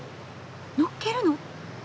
のっけるの！？